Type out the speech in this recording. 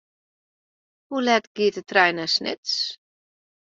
Hoe let giet de trein nei Snits?